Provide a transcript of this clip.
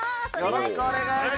よろしくお願いします。